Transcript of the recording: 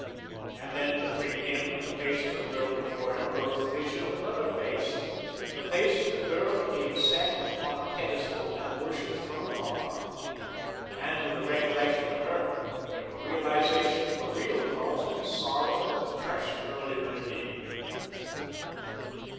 And then between him and the face of the girl before him arose the vision of another face, the face of the girl that he had set upon a pedestal and worshiped from afar. And with the recollection of her came a realization of the real cause of his sorrow and depression earlier in the evening.